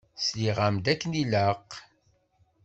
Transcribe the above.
Sliɣ-am-d akken ilaq?